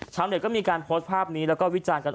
เน็ตก็มีการโพสต์ภาพนี้แล้วก็วิจารณ์กัน